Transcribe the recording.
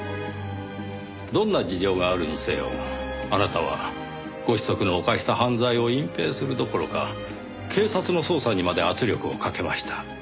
どんな事情があるにせよあなたはご子息の犯した犯罪を隠蔽するどころか警察の捜査にまで圧力をかけました。